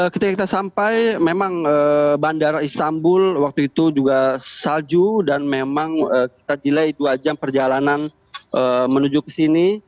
ketika kita sampai memang bandara istanbul waktu itu juga salju dan memang kita delay dua jam perjalanan menuju ke sini